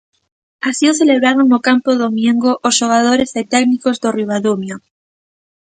Así o celebraban no campo do Miengo os xogadores e técnicos do Ribadumia.